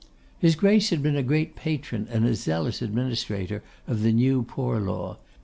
His Grace had been a great patron and a zealous administrator of the New Poor Law.